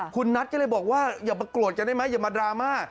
คุณนัทก็เลยบอกว่าอย่ามาโกรธกันได้ไหมอย่ามาดราม่า